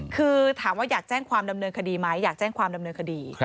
คือถามว่าอยากแจ้งความดำเนินคดีไหมอยากแจ้งความดำเนินคดี